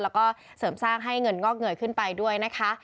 แล้วก็เสริมสร้างให้เงินงอกเงยขึ้นไปด้วยนะคะ